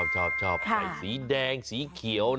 ชอบใส่สีแดงสีเขียว